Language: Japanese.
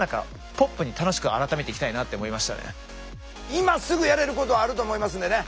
今すぐやれることあると思いますんでね。